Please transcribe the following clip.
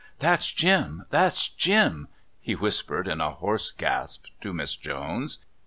"That's Jim! That's Jim!" he whispered in a hoarse gasp to Miss Jones.